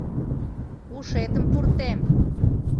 — Ушетым пуртем!..